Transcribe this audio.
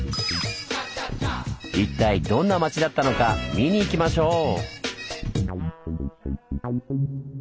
一体どんな町だったのか見に行きましょう！